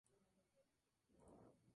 Otro semejante puede verse en lo alto.